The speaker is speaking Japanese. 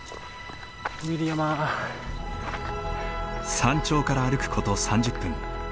山頂から歩く事３０分。